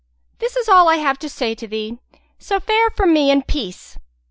This is all I have to say to thee; so fare from me in peace!"